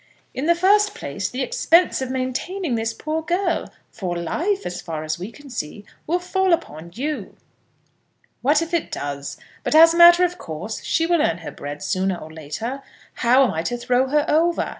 "In the first place, the expense of maintaining this poor girl, for life, as far as we can see, will fall upon you." "What if it does? But, as a matter of course, she will earn her bread sooner or later. How am I to throw her over?